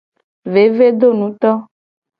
Vevedonuto.